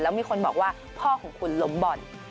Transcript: แล้วมีคนบอกว่าพ่อของคุณล้มบ่อน